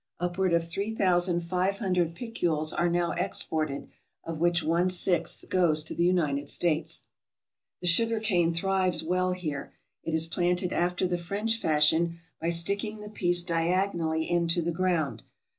Upward of three thousand five hundred piculs are now exported, of which one sixth goes to the United States. The sugar cane thrives well here. It is planted after the French fashion, by sticking the piece diagonally into the ground.